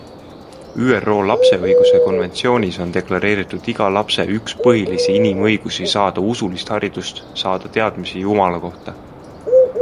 ÜRO lapseõiguse konventsioonis on deklareeritud iga lapse üks põhilisi inimõigusi saada usulist haridust, saada teadmisi Jumala kohta.